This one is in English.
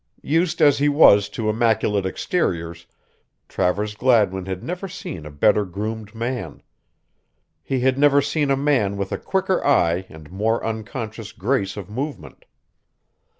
Used as he was to immaculate exteriors, Travers Gladwin had never seen a better groomed man. He had never seen a man with a quicker eye and more unconscious grace of movement.